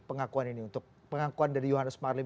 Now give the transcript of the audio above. pengakuan ini untuk pengakuan dari johannes marlem